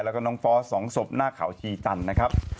แล้วก็น้องฟอส๒ศพหน้าเขาชีจันทร์นะครับ